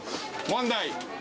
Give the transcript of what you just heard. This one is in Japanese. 問題。